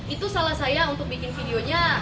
itu salah saya untuk bikin videonya